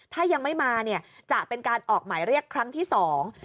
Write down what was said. ถ้ายังไม่มาเนี่ยจะเป็นการออกหมายเรียกครั้งที่สอง